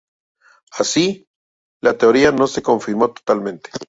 Así, la teoría no se confirmó totalmente.